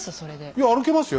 いや歩けますよ？